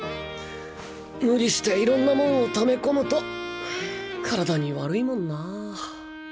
無理していろんなモンを溜め込むと体に悪いもんなあ。